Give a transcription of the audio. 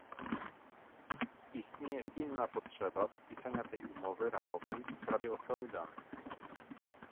Istnieje pilna potrzeba podpisania tej umowy ramowej w sprawie ochrony danych